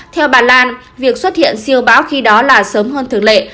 theo bà lan việc xuất hiện siêu bão khi đó là sớm hơn thường lệ